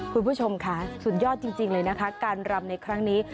คุณผู้ชมค่ะสุดยอดจริงเลยนะคะการรำในครั้งนี้